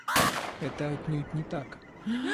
Это отнюдь не так!